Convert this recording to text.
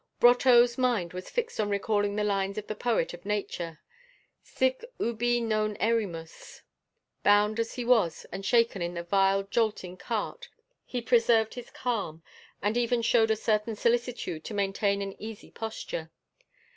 Brotteaux's mind was fixed on recalling the lines of the poet of nature: Sic ubi non erimus.... Bound as he was and shaken in the vile, jolting cart, he preserved his calm and even showed a certain solicitude to maintain an easy posture.